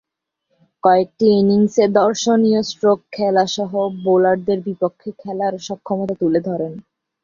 কয়েকটি ইনিংসে দর্শনীয় স্ট্রোক খেলাসহ বোলারদের বিপক্ষে খেলার সক্ষমতা তুলে ধরেন।